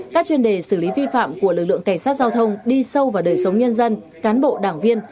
các chuyên đề xử lý vi phạm của lực lượng cảnh sát giao thông đi sâu vào đời sống nhân dân cán bộ đảng viên